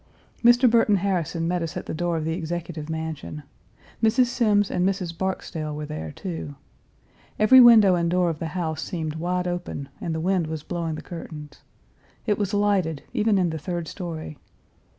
Mr. Burton Harrison met us at the door of the Executive Mansion. Mrs. Semmes and Mrs. Barksdale were there, too. Every window and door of the house seemed wide open, and the wind was blowing the curtains. It was lighted, even in the third story.